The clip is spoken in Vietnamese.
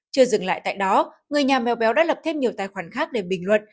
chưa dừng lại tại đó người nhà mèo béo đã lập thêm nhiều tài khoản khác để bình luận